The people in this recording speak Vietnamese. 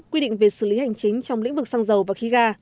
quy định về xử lý hành chính trong lĩnh vực xăng dầu và khí ga